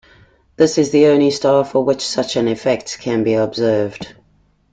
This is the only star for which such an effect can be observed.